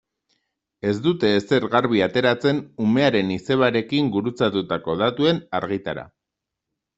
Ez dute ezer garbi ateratzen umearen izebarekin gurutzatutako datuen argitara.